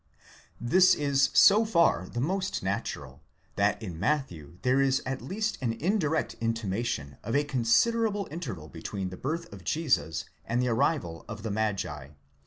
'This is. so far the most natural, that in Matthew there is at least an indirect intima tion of a considerable interval between the birth of Jesus and the arrival of the magi.